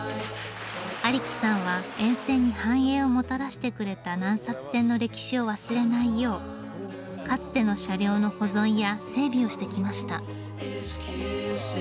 有木さんは沿線に繁栄をもたらしてくれた南線の歴史を忘れないようかつての車両の保存や整備をしてきました。